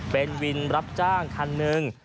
เป็นวินรับจ้างคันหนึ่ง